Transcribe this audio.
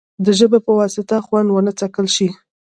د ژبې په واسطه خوند ونه څکل شي.